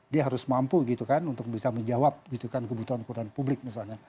dia harus mampu gitu kan untuk bisa menjawab gitu kan kebutuhan kebutuhan publik misalnya